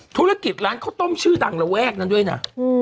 ธุรกิจร้านข้าวต้มชื่อดังระแวกนั้นด้วยนะ